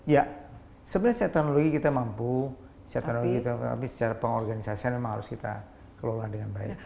ya sebenarnya secara teknologi kita mampu secara teknologi kita mampu tapi secara pengorganisasian memang harus kita kelola dengan baik